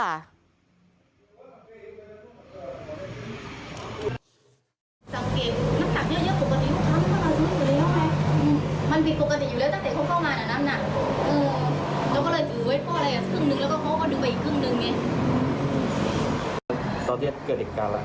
ขอบคุณครับ